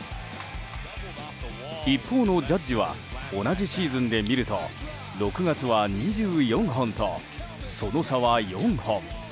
一方のジャッジは同じシーズンで見ると６月は２４本と、その差は４本。